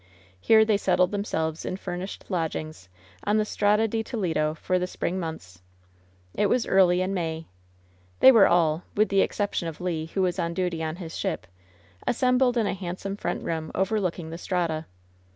Here they settled themselves in furnished lodgings, on the Strada di Toledo, for the spring months. It was early in May. WHEN SHADOWS DIE IS They were all — with the exception of Le, who was on duty on his ship — assembled in a handsome front room OTerlooking the Strada.